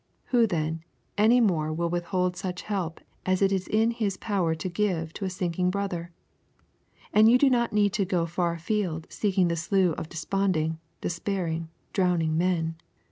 Who, then, any more will withhold such help as it is in his power to give to a sinking brother? And you do not need to go far afield seeking the slough of desponding, despairing, drowning men.